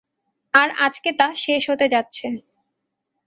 আর আজকে তা শেষ হতে যাচ্ছে।